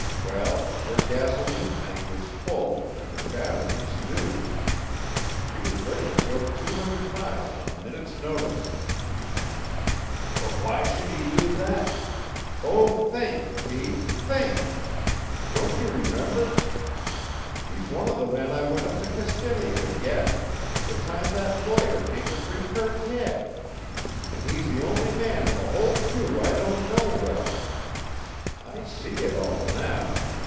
Well, her gasoline tank was full and her batteries new. She was ready to go two hundred miles on a minute's notice." "But why should he do that " "Oh, think, Pete, think! Don't you remember? He's one of the men I went up to Castalia to get, the time that lawyer came to Freekirk Head. And he's the only man in the whole crew I don't know well. I see it all now.